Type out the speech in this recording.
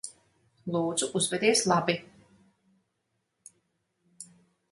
Lūdzu, uzvedies labi.